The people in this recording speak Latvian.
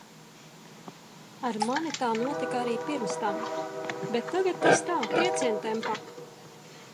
Ar mani tā notika arī pirms tam, bet tagad tas tā, triecientempā.